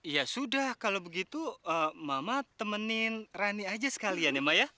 ya sudah kalau begitu mama temenin rani aja sekalian ya mbak ya